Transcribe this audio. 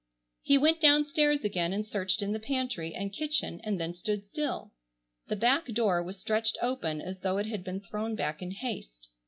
He went downstairs again and searched in the pantry and kitchen and then stood still. The back door was stretched open as though it had been thrown back in haste.